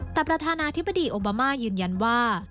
แต่ประธานาธิบดีโอบามายืนยันว่า